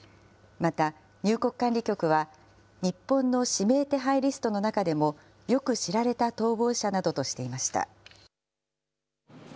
また入国管理局は、日本の指名手配リストの中でもよく知られた逃亡者などとしていました。